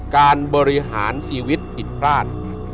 การบริหารชีวิตผิดพลาด